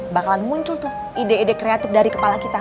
bakalan muncul tuh ide ide kreatif dari kepala kita